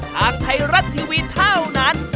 ทางไทยรัฐทีวีเท่านั้น